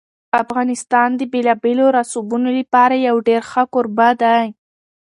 افغانستان د بېلابېلو رسوبونو لپاره یو ډېر ښه کوربه دی.